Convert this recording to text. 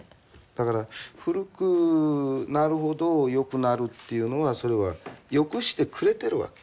だから古くなるほどよくなるっていうのはそれはよくしてくれてる訳。